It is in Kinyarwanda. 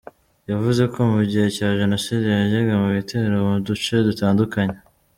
Yavuze ko mu gihe cya jenoside yajyaga mu bitero mu duce dutandukanye.